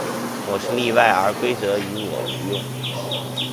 我是例外，而规则于我无用。